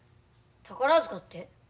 宝塚って？